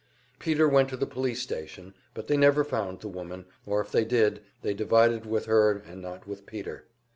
Peter went to the police station, but they never found the woman, or if they did, they divided with her and not with Peter.